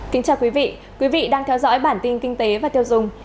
kính chào quý vị quý vị đang theo dõi bản tin kinh tế và tiêu dùng